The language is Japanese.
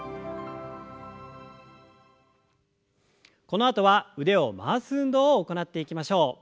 このあとは腕を回す運動を行っていきましょう。